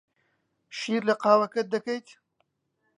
شیر لە قاوەکەت دەکەیت؟